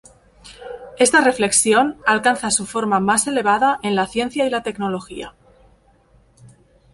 Esta reflexión alcanza su forma más elevada en la ciencia y la tecnología.